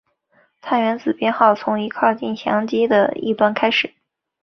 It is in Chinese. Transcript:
碳原子编号从靠近羰基的一端开始。